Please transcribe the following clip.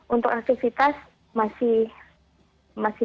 untuk aktivitas masih